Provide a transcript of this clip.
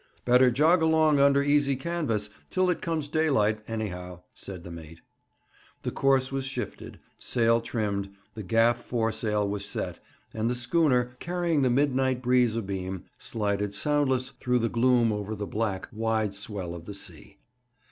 'Better jog along under easy canvas, till it comes daylight, anyhow,' said the mate. The course was shifted, sail trimmed, the gaff foresail was set, and the schooner, carrying the midnight breeze abeam, slided soundless through the gloom over the black, wide swell of the sea.